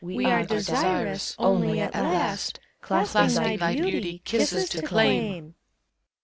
We are desirous Only, at last, Clasping thy beauty. Kisses to claim!